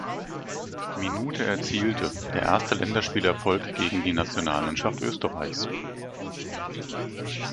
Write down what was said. Minute erzielte, der erste Länderspiel-Erfolg gegen die Nationalmannschaft Österreichs.